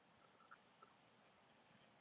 ایا زما پوښتنې ډیرې وې؟